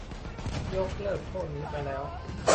ยกเลิกโทษนี้ไปแล้ว